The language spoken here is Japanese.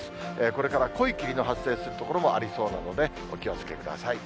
これから濃い霧の発生する所もありそうなので、お気をつけください。